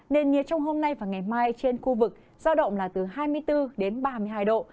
nền nhiệt trong hôm nay và ngày mai trên khu vực giao động là từ hai mươi bốn đến ba mươi hai độ